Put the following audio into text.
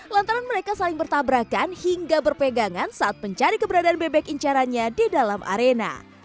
lantaran mereka saling bertabrakan hingga berpegangan saat mencari keberadaan bebek incarannya di dalam arena